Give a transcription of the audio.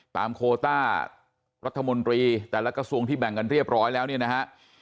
โคต้ารัฐมนตรีแต่ละกระทรวงที่แบ่งกันเรียบร้อยแล้วเนี่ยนะฮะ